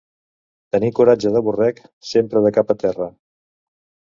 Tenir coratge de borrec: sempre de cap a terra.